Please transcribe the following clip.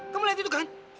kamu lihat itu kan